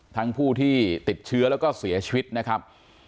ผู้ที่ติดเชื้อแล้วก็เสียชีวิตนะครับ